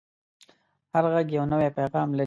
هر غږ یو نوی پیغام لري